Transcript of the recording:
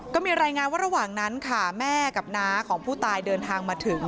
ก็มีรายงานว่าระหว่างนั้นค่ะแม่กับน้าของผู้ตายเดินทางมาถึง